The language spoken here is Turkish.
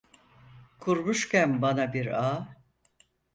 Kurmuşken bana bir ağ.